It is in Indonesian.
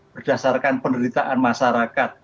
berdasarkan penderitaan masyarakat